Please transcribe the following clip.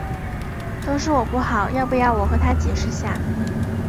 都是我不好，要不要我和她解释下？